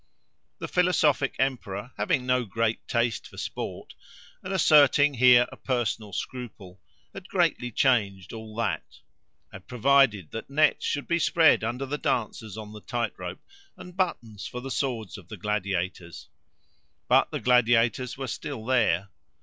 The philosophic emperor, having no great taste for sport, and asserting here a personal scruple, had greatly changed all that; had provided that nets should be spread under the dancers on the tight rope, and buttons for the swords of the gladiators. But the gladiators were still there.